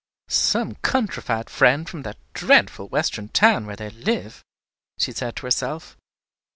"Some countrified friend from that dreadful Western town where they live," she said to herself.